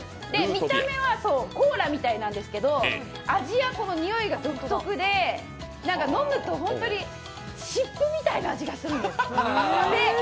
見た目はコーラみたいなんですけど、味や匂いが独特で、飲むと本当に湿布みたいな味がするんです。